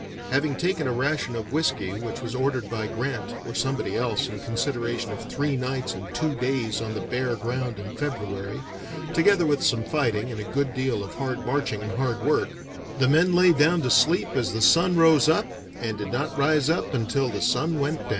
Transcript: Having taken a ration of whiskey which was ordered by Grant or somebody else in consideration of three nights and two days on the bare ground in February, together with some fighting and a good deal of hard marching and hard work, the men lay down to sleep as the sun rose up, and did not rise up until the sun went down."